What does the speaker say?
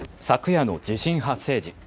昨夜の地震発生時。